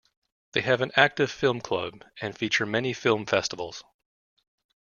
They have an active film club and feature many film festivals.